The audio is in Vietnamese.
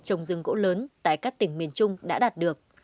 trồng rừng gỗ lớn tại các tỉnh miền trung đã đạt được